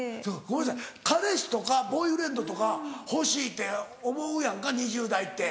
ごめんなさい彼氏とかボーイフレンドとか欲しいって思うやんか２０代って。